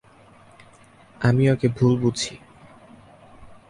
আমি ওকে ভুল বুঝি।